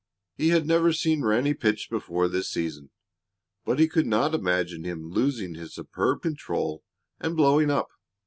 He had never seen Ranny pitch before this season, but he could not imagine him losing his superb control and "blowing up."